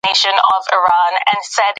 هلک په وېره کې د دهلېز په لور وتښتېد.